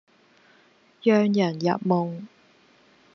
讓人入夢